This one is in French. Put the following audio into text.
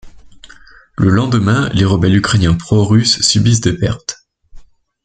Le lendemain, les rebelles ukrainiens pro-russes subissent des pertes.